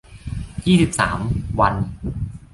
ยี่สิบสาม วัน